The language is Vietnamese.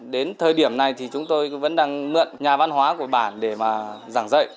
đến thời điểm này chúng tôi vẫn đang mượn nhà văn hóa của bản để giảng dạy